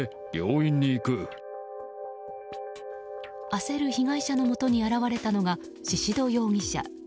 焦る被害者のもとに現れたのが宍戸容疑者。